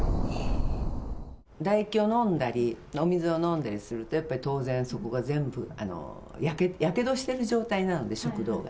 唾液を飲んだり、お水を飲んだりすると、やっぱり当然そこが全部、やけどしてる状態なので、食道が。